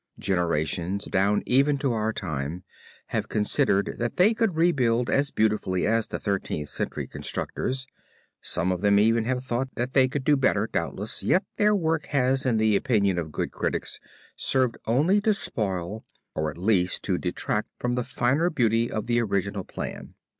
Generations down even to our time have considered that they could rebuild as beautifully as the Thirteenth Century constructors; some of them even have thought that they could do better, doubtless, yet their work has in the opinion of good critics served only to spoil or at least to detract from the finer beauty of the original plan.